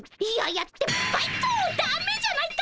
だめじゃないか！